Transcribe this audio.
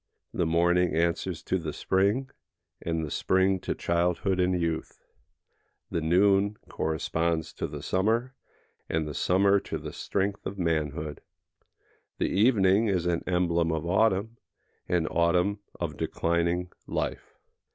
The morning answers to the spring, and the spring to childhood and youth; the noon corresponds to the summer, and the summer to the strength of manhood. The evening is an emblem of autumn, and autumn of declining life.